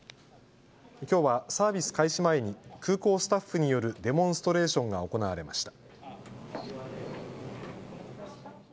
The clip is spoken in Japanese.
きょうはサービス開始前に空港スタッフによるデモンストレーションが行われました。